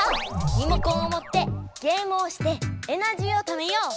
リモコンをもってゲームをしてエナジーをためよう！